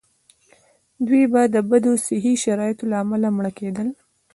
دوی به د بدو صحي شرایطو له امله مړه کېدل.